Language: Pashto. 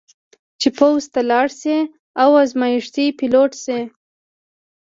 چې پوځ ته ولاړه شي او ازمېښتي پیلوټه شي.